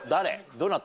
どなた？